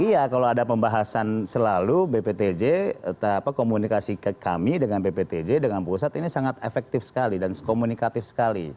iya kalau ada pembahasan selalu bptj komunikasi kami dengan bptj dengan pusat ini sangat efektif sekali dan komunikatif sekali